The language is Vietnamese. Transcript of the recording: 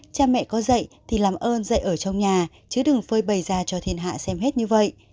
cha mẹ có dạy thì làm ơn dạy ở trong nhà chứ đừng phơi bày ra cho thiên hạ xem hết như vậy